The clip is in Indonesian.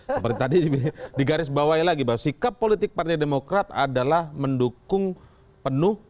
seperti tadi di garis bawah lagi bahwa sikap politik partai demokrat adalah mendukung presiden jokowi